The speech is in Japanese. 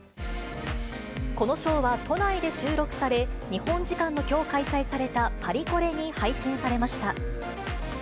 このショーは都内で収録され、日本時間のきょう開催されたパリコレに配信されました。